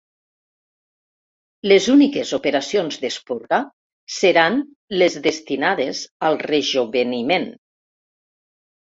Les úniques operacions d'esporga seran les destinades al rejoveniment.